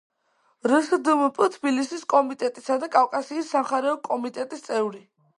რსდმპ თბილისის კომიტეტისა და კავკასიის სამხარეო კომიტეტის წევრი.